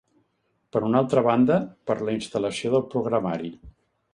Per una altra banda, per la instal·lació del programari.